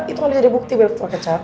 itu gak dijadiin bukti berarti botol kecap